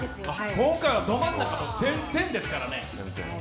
今回はど真ん中、１０００点ですからね。